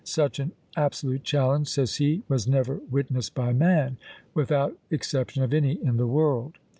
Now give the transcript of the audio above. Such an absolute challenge, says he, was never witnessed by man, "without exception of any in the world!"